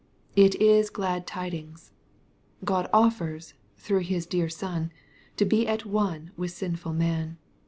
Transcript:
It is glad tidings. God offers, through His dear Son, to bo at one with sinful man.